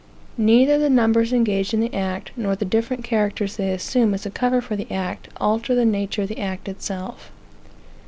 Neither the numbers engaged in the act, nor the different characters they assume as a cover for the act, alter the nature of the act itself.